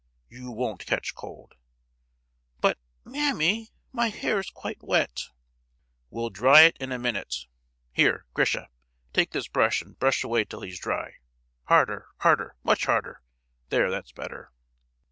"You won't catch cold!" "But—mammy, my hair's quite wet!" "We'll dry it in a minute. Here, Grisha, take this brush and brush away till he's dry,—harder—harder—much harder! There, that's better!"